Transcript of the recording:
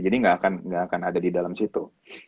jadi gak akan ada di dalam situ